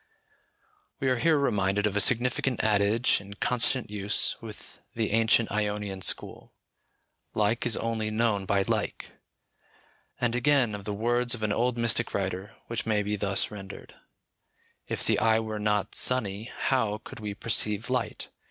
We are here reminded of a significant adage in constant use with the ancient Ionian school "Like is only known by Like;" and again, of the words of an old mystic writer, which may be thus rendered, "If the eye were not sunny, how could we perceive light?